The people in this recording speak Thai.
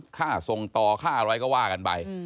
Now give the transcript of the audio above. ค่าส่งต่อค่าอะไรก็ว่ากันไป